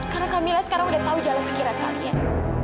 karena kamila sekarang udah tahu jalan pikiran kalian